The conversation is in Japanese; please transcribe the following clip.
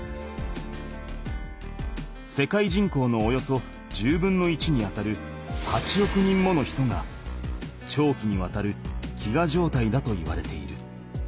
世界人口のおよそ１０分の１にあたる８億人もの人が長期にわたる飢餓状態だといわれている。